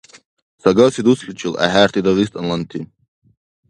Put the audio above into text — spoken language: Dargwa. Сагаси дусличил, ахӀерти дагъистанланти!